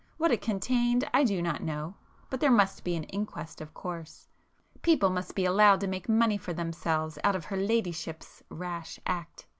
What it contained I do not know,—but there must be an inquest of course,—people must be allowed to make money for themselves out of her ladyship's rash act!